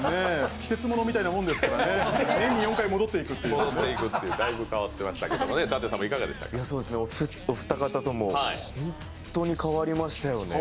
季節ものみたいなもんですからね、年に４回、戻っていくというお二方とも本当に変わりましたよね。